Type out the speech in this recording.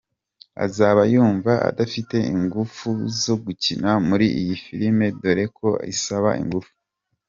azaba yumva adafite ingufu zo gukina muri iyi filime dore ko isaba ingufu.